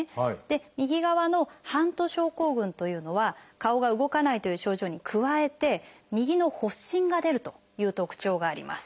右側のハント症候群というのは顔が動かないという症状に加えて耳の発疹が出るという特徴があります。